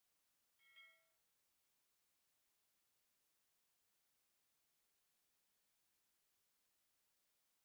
semoga berjalanenan yang tepat